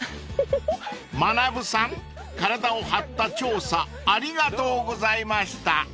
［まなぶさん体を張った調査ありがとうございました］